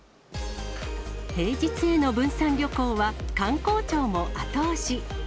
平日への分散旅行は、観光庁も後押し。